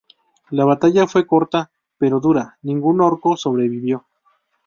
La batalla fue corta pero dura, ningún orco sobrevivió.